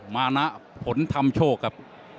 มานะผลทำโชคครับ